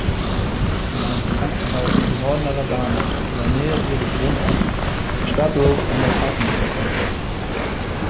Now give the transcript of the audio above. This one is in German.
In einem Krankenhaus im Norden Alabamas in der Nähe ihres Wohnortes starb Rose an der Parkinson-Krankheit.